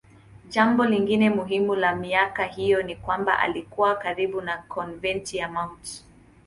Jambo lingine muhimu la miaka hiyo ni kwamba alikuwa karibu na konventi ya Mt.